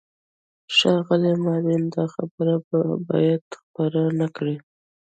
ښاغلی ماروین، دا خبرې باید خپرې نه کړې.